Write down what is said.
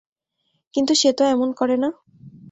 কিন্তু সে তো এমন করে না।